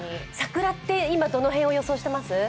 桜って、今どの辺を予想してます？